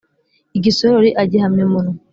igisorori agihamya umunwa.